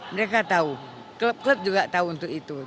mereka tahu klub klub juga tahu untuk itu